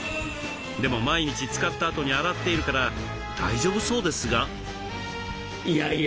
でも毎日使ったあとに洗っているから大丈夫そうですが。